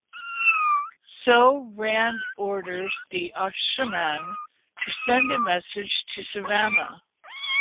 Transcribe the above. So Rand orders the "Asha'man" to "send a message" to Sevanna.